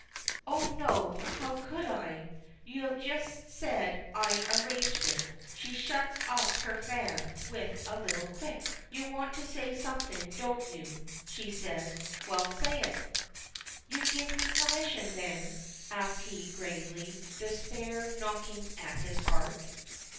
"Oh, no; how could I? You have just said I arranged it." She shuts up her fan with a little click. "You want to say something, don't you?" says she, "well, say it!" "You give me permission, then?" asks he, gravely, despair knocking at his heart.